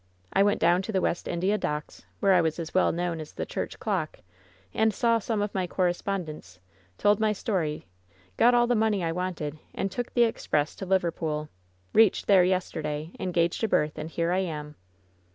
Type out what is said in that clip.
I went down to the West India Docks, where I was as well known as the church clock, and saw some of my correspondents, told my story, got all the money I wanted, and took the express to Liver pool; reached there yesterday, engaged a berth, and here I am!"